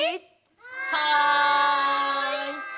はい！